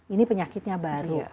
ini penyakitnya baru